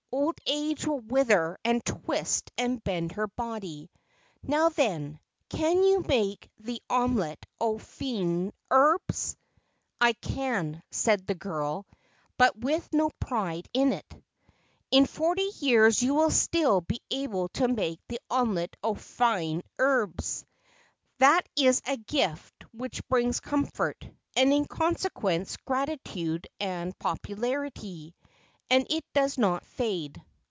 Old age will wither and twist and bend her body. Now then, can you make the omelette aux fines herbesf "I can," said the girl; but with no pride in it. "In forty years you will still be able to make the omelette aux fines herbes. That is a gift which brings comfort, and, in consequence, gratitude and popu larity ; and it does not fade.